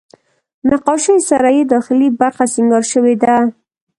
نقاشیو سره یې داخلي برخه سینګار شوې ده.